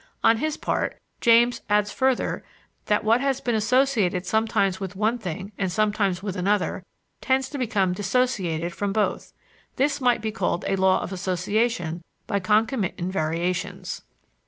On his part, James adds further that what has been associated sometimes with one thing and sometimes with another tends to become dissociated from both. This might be called a law of association by concomitant variations.